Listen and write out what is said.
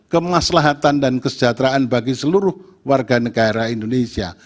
kemaslahatan dan kesejahteraan bagi seluruh warga negara indonesia